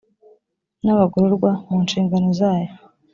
n abagororwa mu nshingano zayo